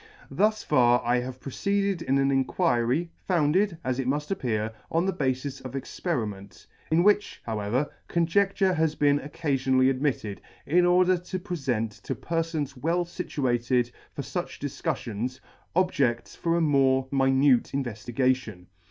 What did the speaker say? Thus far have I proceeded in an inquiry, founded, as it muft appear, on the bafis of experiment; in which, however, con jedture has been occafionally admitted, in order to prefent to See page 7. perlons E 64 3 perfons well fituated for fuch difcuffions, objeds for a more minute inveftigation.